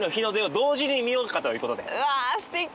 うわすてき！